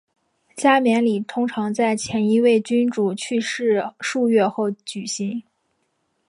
加冕礼通常在前一位君主去世数月后举行。